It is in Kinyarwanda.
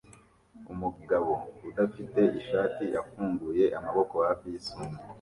Umugabo udafite ishati afunguye amaboko hafi yisumo